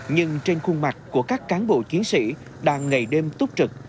nhưng trên khuôn mặt của các cán bộ chiến sĩ đang ngày đêm túc trực